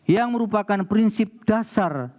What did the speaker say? yang merupakan prinsip dasar